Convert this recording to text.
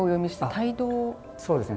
あっそうですね。